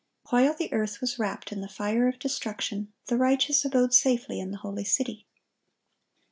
While the earth was wrapped in the fire of destruction, the righteous abode safely in the holy city.